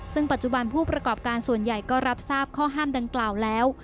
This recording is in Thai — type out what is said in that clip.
ซึ่งปัจจุบันผู้ประกอบการส่วนใหญ่ก็รับทราบข้อห้ามดังกล่าวแล้ว